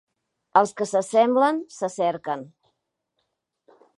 Els que s'assemblen se cerquen.